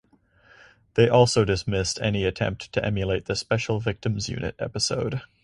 They also dismissed any attempt to emulate the "Special Victims Unit" episode.